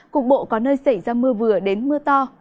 cục bộ có nơi xảy ra mưa vừa đến mưa to